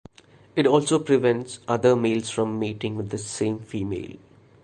It also prevents other males from mating with the same female.